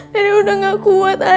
dede udah gak kuat ah